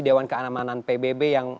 dewan keamanan pbb yang